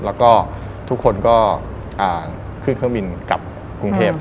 แล้วก็ทุกคนก็ขึ้นเครื่องบินกลับกรุงเทพ